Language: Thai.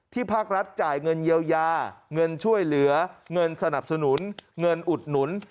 ภาครัฐจ่ายเงินเยียวยาเงินช่วยเหลือเงินสนับสนุนเงินอุดหนุน